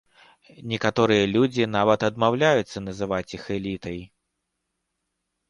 Некаторыя людзі нават адмаўляюцца называць іх элітай.